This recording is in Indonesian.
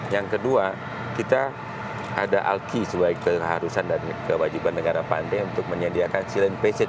yang kedua kita ada alki sebagai keharusan dan kewajiban negara pandai untuk menyediakan silent pacit